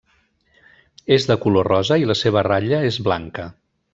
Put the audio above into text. És de color rosa i la seva ratlla és blanca.